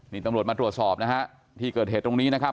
นี่ตำรวจมาตรวจสอบนะฮะที่เกิดเหตุตรงนี้นะครับ